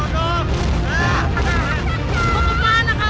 ayo kita kejar